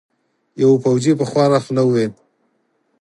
یوه پوځي په خواره خوله وویل.